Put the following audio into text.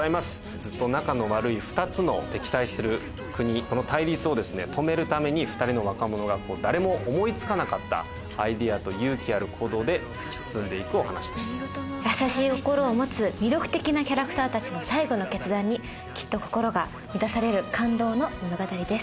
ずっと仲の悪い二つの敵対する国の対立を止めるために２人の若者が誰も思いつかなかったアイデアと勇気ある行動で突き進んでいくお優しい心を持つ魅力的なキャラクターたちの最後の決断にきっと心が満たされる感動の物語です。